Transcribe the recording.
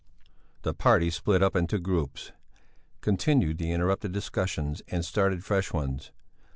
The party split up into groups, continued the interrupted discussions and started fresh ones.